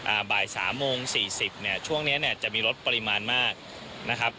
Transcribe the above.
บ่ายสามโมงสี่สิบเนี้ยช่วงเนี้ยเนี้ยจะมีลดปริมาณมากนะครับ